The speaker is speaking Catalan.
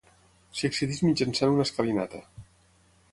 S'hi accedeix mitjançant una escalinata.